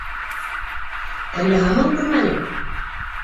Әллә һаман күрмәнең?